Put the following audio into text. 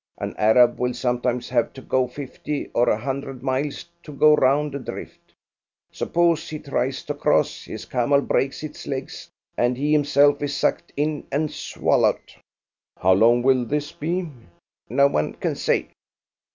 An Arab will sometimes have to go fifty or a hundred miles to go round a drift. Suppose he tries to cross, his camel breaks its legs, and he himself is sucked in and swallowed." "How long will this be?" "No one can say."